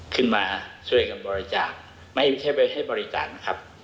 ขึ้นมาช่วยกับบริจาคไม่ใช่ไปให้บริจาณครับ